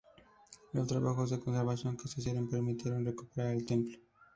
Los trabajos de conservación que se hicieron permitieron recuperar el templo.